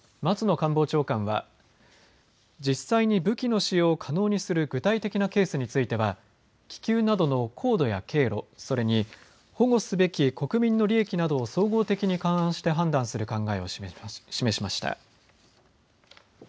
官房長官は実際に武器の使用を可能にする具体的なケースについては気球などの高度や経路、それに保護すべき国民の利益などを総合的に勘案して判断する考えを示しました。